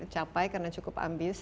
capai karena cukup ambius